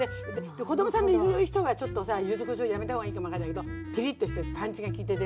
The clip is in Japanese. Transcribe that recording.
子どもさんのいる人はちょっとさ柚子こしょうやめた方がいいかも分かんないけどピリッとしててパンチが効いててね